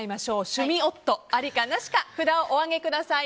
趣味夫、ありか、なしか札をお上げください。